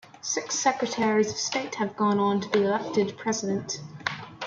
Six Secretaries of State have gone on to be elected President.